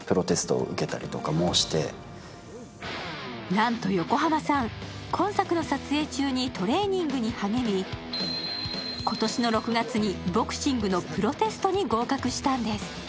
なんと横浜さん、今作の撮影中にトレーニングに励み、今年の６月にボクシングのプロテストに合格したんです。